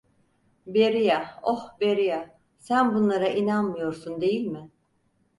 Beria, oh Beria, sen bunlara inanmıyorsun değil mi?